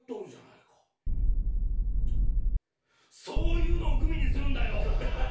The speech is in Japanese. そういうのをグミにするんだよ。